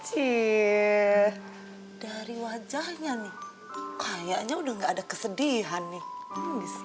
ciee dari wajahnya nih kayaknya udah gak ada kesedihan nih